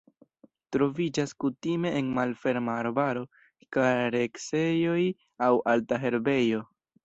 Troviĝas kutime en malferma arbaro, kareksejoj aŭ alta herbejo.